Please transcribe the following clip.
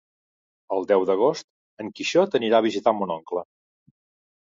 El deu d'agost en Quixot anirà a visitar mon oncle.